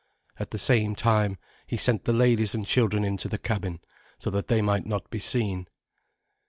At the same time, he sent the ladies and children into the cabin, so that they might not be seen.